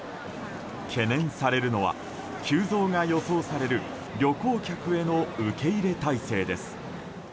懸念されるのは急増が予想される旅行客への受け入れ態勢です。